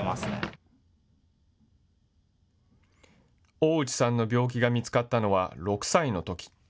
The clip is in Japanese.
大内さんの病気が見つかったのは６歳のとき。